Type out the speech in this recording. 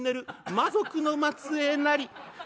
魔族の末裔なり」。